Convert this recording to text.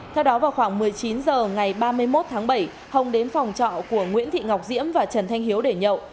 theo đó vào khoảng một mươi chín h ngày ba mươi một tháng bảy hồng đến phòng trọ của nguyễn thị ngọc diễm và trần thanh hiếu để nhậu